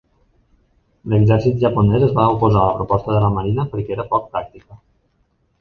L'exèrcit japonès es va oposar a la proposta de la Marina perquè era poc pràctica.